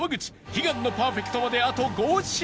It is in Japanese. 悲願のパーフェクトまであと５品